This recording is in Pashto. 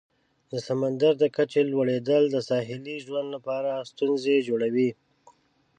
د سمندر د کچې لوړیدل د ساحلي ژوند لپاره ستونزې جوړوي.